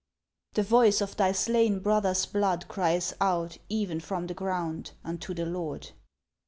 The voice of thy slain brother's blood cries out. Even from the ground, unto the Lord